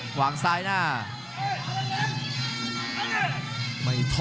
ยังไงยังไง